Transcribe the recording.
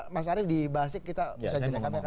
mas arief di basik kita bisa jelaskan